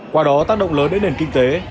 qua đó tác động lớn đến nền kinh tế